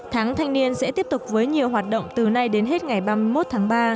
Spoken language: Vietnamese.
tháng thanh niên sẽ tiếp tục với nhiều hoạt động từ nay đến hết ngày ba mươi một tháng ba